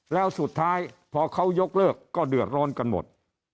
แล้วสุดท้ายพอเขายกเลิกก็เดือดร้อนกันหมด